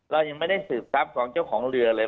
เรายังไม่ได้สืบทรัพย์ของเจ้าของเรือเลย